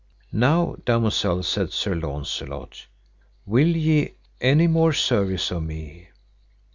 Now, damosel, said Sir Launcelot, will ye any more service of me?